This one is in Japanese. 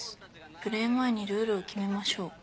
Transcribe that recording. プレー前にルールを決めましょう」。